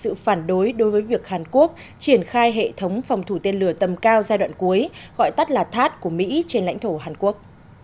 trung quốc đã khẳng định sự phản đối đối với việc hàn quốc triển khai hệ thống phòng thủ tên lửa tầm cao giai đoạn cuối gọi tắt là thát của mỹ trên lãnh thổ hàn quốc